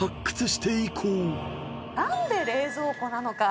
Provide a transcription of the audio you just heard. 何で冷蔵庫なのか？